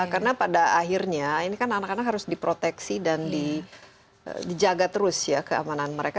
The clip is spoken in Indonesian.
karena pada akhirnya ini kan anak anak harus diproteksi dan dijaga terus ya keamanan mereka